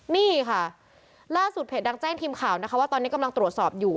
นี่ค่ะล่าสุดเพจดังแจ้งทีมข่าวนะคะว่าตอนนี้กำลังตรวจสอบอยู่